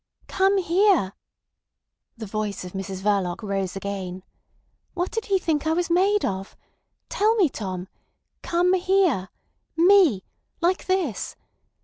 "Come here." The voice of Mrs Verloc rose again. "What did he think I was made of? Tell me, Tom. Come here! Me! Like this!